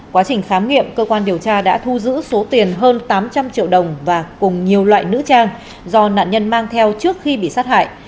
quá trình khám nghiệm cơ quan điều tra đã thu giữ số tiền hơn tám trăm linh triệu đồng và cùng nhiều loại nữ trang do nạn nhân mang theo trước khi bị sát hại